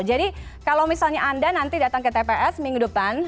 jadi kalau misalnya anda nanti datang ke tps minggu depan